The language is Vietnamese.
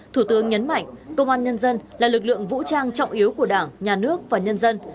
thủ tướng nhấn mạnh công an nhân dân là lực lượng vũ trang trọng yếu của đảng nhà nước và nhân dân